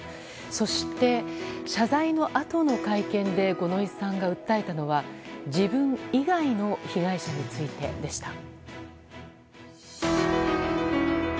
そして、謝罪のあとの会見で五ノ井さんが訴えたのは自分以外の被害者についてでした。